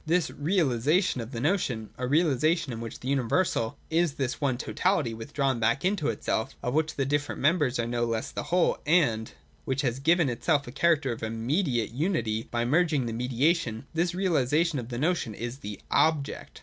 193.] This 'realisation' of the notion, — a realisation in which the universal is this one totality withdrawn back into itself (of which the different members are no less the whole, and) which has given itself a character of 'immediate' unity by merging the mediation: — this realisation of the notion is the Object.